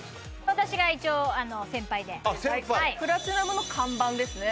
私が一応先輩ではいプラチナムの看板ですね